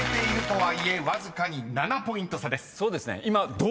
はい。